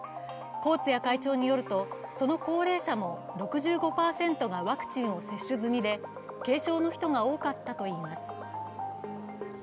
コーツィア会長によると、その高齢者も６５％がワクチンを接種済みで軽症の人が多かったといいます。